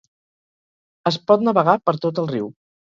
Es pot navegar per tot el riu.